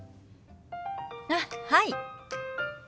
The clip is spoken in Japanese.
あっはい。